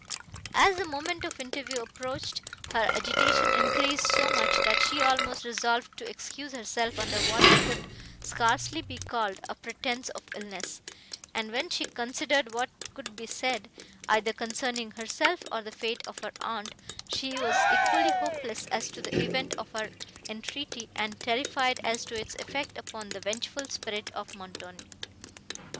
As the moment of interview approached, her agitation increased so much, that she almost resolved to excuse herself under what could scarcely be called a pretence of illness; and, when she considered what could be said, either concerning herself, or the fate of her aunt, she was equally hopeless as to the event of her entreaty, and terrified as to its effect upon the vengeful spirit of Montoni.